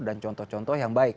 contoh contoh yang baik